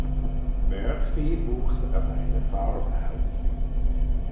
Murphy wuchs auf einer Farm auf.